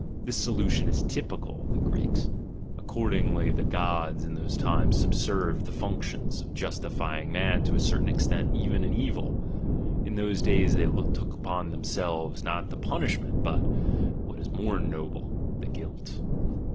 — This solution is typical of the (■reeks, ... accordingly the gods in those times sub served the functions of justifying man to a certain extent even in evil— in those days they took upon themselves not the punishment, but, what is more noble, the guilt.